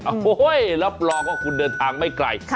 อ้าวหลับปลอมว่าคุณเดินทางไม่ไกล